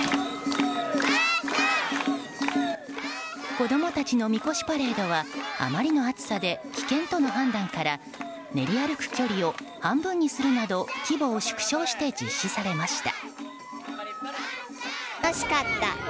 子供たちのみこしパレードはあまりの暑さで危険との判断から練り歩く距離を半分にするなど規模を縮小して実施されました。